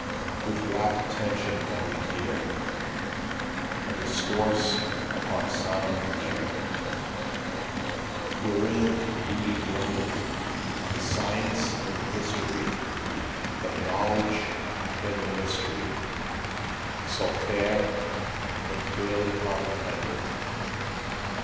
With rapt attention now we hear A discourse upon Sound and Ear, Wherein is beautifully blended, The Science and the History, The Knowledge and the Mystery So fair, when fairly comprehended.